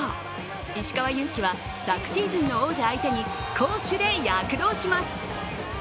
石川祐希は昨シーズンの王者相手に攻守で躍動します。